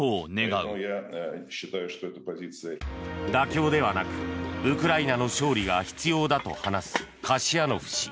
妥協ではなくウクライナの勝利が必要だと話すカシヤノフ氏。